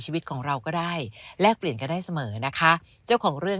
ชีวิตของเราก็ได้แลกเปลี่ยนกันได้เสมอนะคะเจ้าของเรื่อง